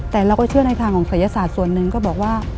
แต่เราก็เชื่อในทางของศัยศาสตร์ส่วนหนึ่งก็บอกว่า